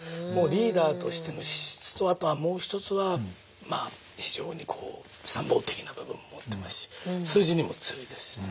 リーダーとしての資質とあとはもう一つは非常にこう参謀的な部分も持っていますし数字にも強いですしね。